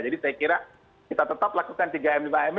jadi saya kira kita tetap lakukan tiga m lima m